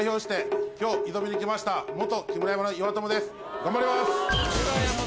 頑張ります！